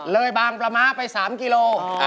เลยบางประมาะไป๓กิโล